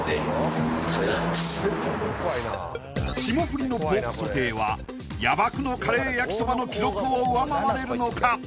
霜降りのポークソテーは野爆のカレー焼きそばの記録を上回れるのか？